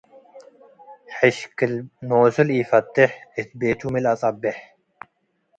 ሕሽክል ኖሱ ለኢፈቴሕ እት ቤቱ ሚ ለአጸቤሕ።